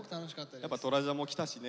やっぱトラジャも来たしね。